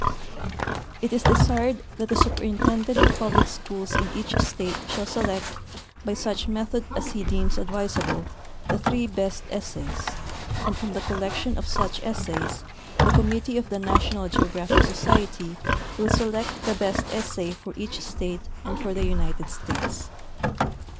It is desired that the superintendent of public schools in each state shall select, by such method as he deems advisable, the three best essays, and from the collection of such essa3''s the com mittee of the National Geographic Society will select the best essay for each state and for the United States.